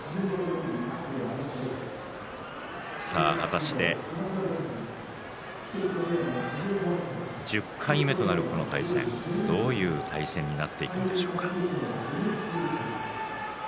さあ果たして１０回目となるこの対戦、どういう対戦になっていくんでしょうか。